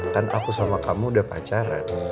kan aku sama kamu udah pacaran